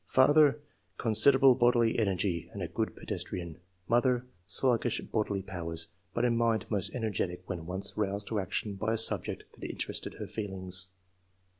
" Father — Considerable bodily energy, and a good pedestrian. Mother — Sluggish bodily powers, but in mind most energetic when once roused to action by a subject that interested her feelings."